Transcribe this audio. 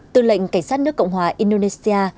tư lệnh cảnh sát nước cộng hòa indonesia